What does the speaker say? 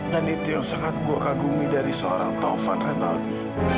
dan itu yang sangat gue kagumi dari seorang taufan rinaldi